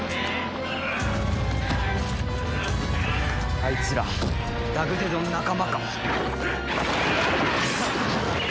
あいつらダグデドの仲間か？